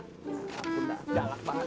ya ampun dalem banget